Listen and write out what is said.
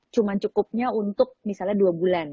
cuma cukupnya untuk misalnya dua bulan